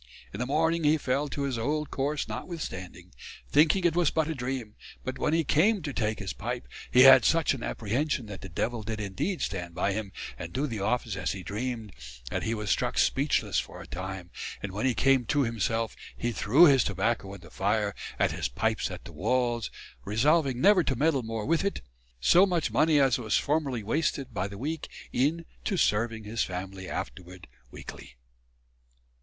In the morning hee fell to his old cours notwithstanding; thinking it was but a dream: but when hee came to take his pipe, hee had such an apprehension that the devill did indeed stand by him and doe the office as hee dreamed that hee was struck speechless for a time and when hee came to himself hee threw his tobacco in the fire and his pipes at the walls; resolving never to meddle more with it: soe much money as was formerly wasted by the week in to serving his family afterward weekly."